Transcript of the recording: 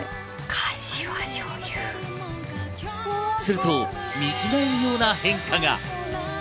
すると見違えるような変化が。